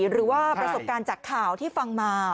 หรือว่าประสบการณ์จากข่าวที่ฟังมา